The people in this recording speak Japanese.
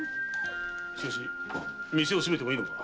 しかし店を閉めてもいいのか？